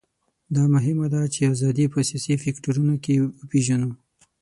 دا مهمه ده چې ازادي په سیاسي فکټورونو کې وپېژنو.